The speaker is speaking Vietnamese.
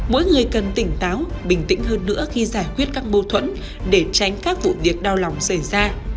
mỗi người cần tỉnh táo bình tĩnh hơn nữa khi giải quyết các mâu thuẫn để tránh các vụ việc đau lòng xảy ra